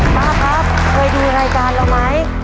ป้าครับเคยดูรายการเราไหม